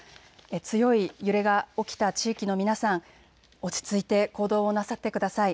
強い揺れが起きた地域の皆さん、落ち着いて行動をなさってください。